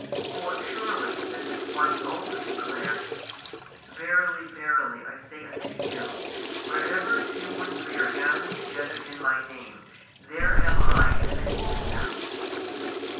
For surely this is why He also declared: Verily, verily, I say unto you, wherever two or three are gathered together in My Name, there am I in the midst of them.